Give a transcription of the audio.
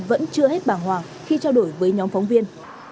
vẫn chưa hết bàng hoàng khi trao đổi với nhóm phóng viên